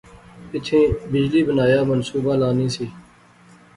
ایتھیں بجلی بنایا منصوبہ لانی سی